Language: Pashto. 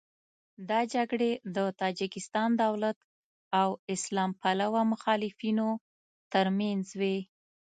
دا جګړې د تاجکستان دولت او اسلام پلوه مخالفینو تر منځ وې.